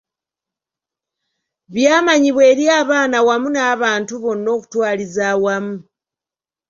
Byamanyibwa eri abaana wamu n’abantu bonna okutwaliza awamu.